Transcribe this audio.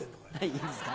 いいですか？